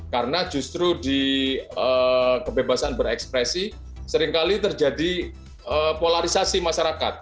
karena justru di kebebasan berekspresi seringkali terjadi polarisasi masyarakat